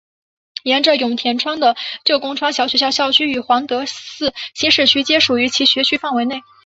沿着永田川的旧宫川小学校校区与皇德寺新市区皆属于其学区范围内。